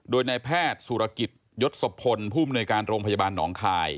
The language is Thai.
โดยนายแพทย์สุรกิจยศพลผู้มนวยการโรงพยาบาลหนองคาย